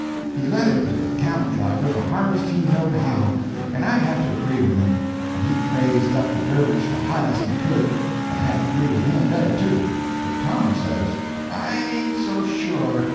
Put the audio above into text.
He let into the camel driver the hardest he knowed how, and I had to agree with him; and he praised up the dervish the highest he could, and I had to agree with him there, too. But Tom says: "I ain't so sure.